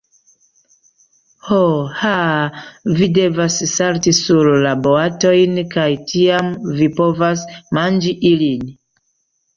Ho. Haaaa, vi devas salti sur la boatojn, kaj tiam vi povas manĝi ilin.